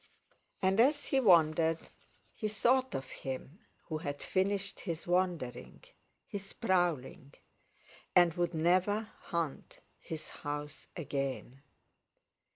And as he wandered, he thought of him who had finished his wandering, his prowling, and would never haunt his house again.